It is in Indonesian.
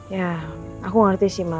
ya aku mengerti sih mbak